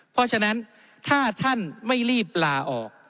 เพราะฉะนั้นถ้าท่านไม่รีบลาออก